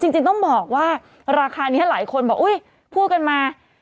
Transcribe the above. จริงต้องบอกว่าราคานี้หลายคนบอกอุ๊ยพูดกันมา